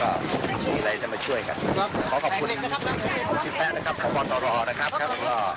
อันนี้ผมพลาดครับออกมาตอนกว่านะครับ